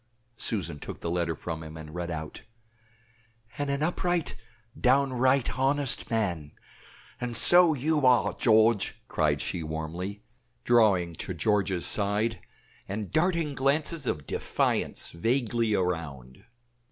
Susan took the letter from him, and read out "And an upright, downright honest man" "AND SO YOU ARE, GEORGE!" cried she, warmly, drawing to George's side, and darting glances of defiance vaguely around.